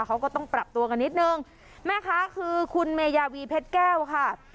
เขาก็ต้องปรับตัวกันนิดนึงแม่ค้าคือคุณเมยาวีเพชรแก้วค่ะ